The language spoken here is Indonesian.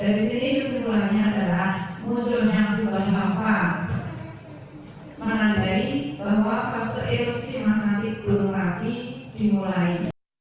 dari sini kesimpulannya adalah munculnya kubah lava menandai bahwa pas erupsi mengatik gunung merapi dimulai